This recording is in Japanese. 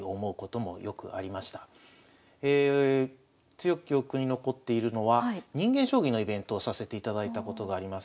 強く記憶に残っているのは人間将棋のイベントをさせていただいたことがあります。